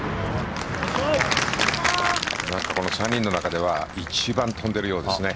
３人の中では一番飛んでいるようですね。